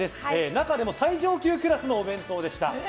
中でも最上級クラスのお弁当でした。